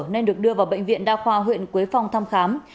nên được đưa vào bệnh viện đa khoa huyện quế phong thăm khám